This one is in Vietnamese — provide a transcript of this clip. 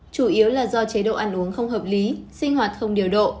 chủ yếu là do chế độ ăn uống không hợp lý sinh hoạt không điều độ